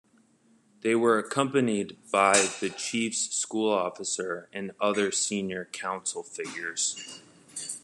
They were accompanied by the Chief School's Officer and other senior council figures.